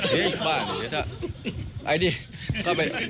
เฮ้ยบ้าเหรอ